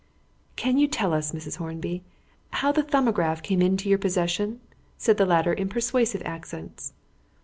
"Can you tell us, Mrs. Hornby, how the 'Thumbograph' came into your possession?" said the latter in persuasive accents.